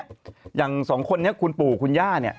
อย่างสองคนนี้คุณปู่คุณย่าเนี่ย